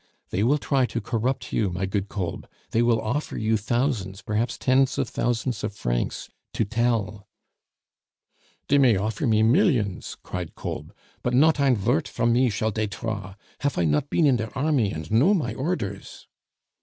They will try to corrupt you, my good Kolb; they will offer you thousands, perhaps tens of thousands of francs, to tell " "Dey may offer me millions," cried Kolb, "but not ein vort from me shall dey traw. Haf I not peen in der army, and know my orders?"